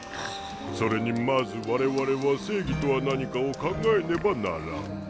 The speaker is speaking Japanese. それにまず我々は正義とは何かを考えねばならん。